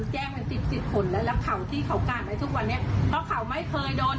ตามเขาที่เขาการไว้ทุกวันนี้เพราะเขาไม่เคยโดนดำเนินคดีอะไรเลย